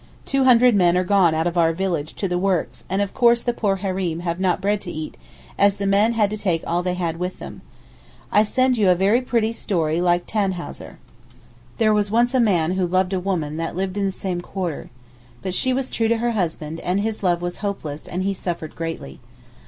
Two hundred men are gone out of our village to the works and of course the poor Hareem have not bread to eat as the men had to take all they had with them. I send you a very pretty story like Tannhäuser. There was once a man who loved a woman that lived in the same quarter. But she was true to her husband, and his love was hopeless, and he suffered greatly.